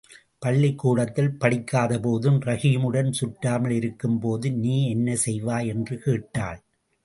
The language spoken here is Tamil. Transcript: பள்ளிக் கூடத்தில் படிக்காதபோதும் ரஹீமுடன் சுற்றாமல் இருக்கும்போதும், நீ என்ன செய்வாய்? என்று கேட்டாள்.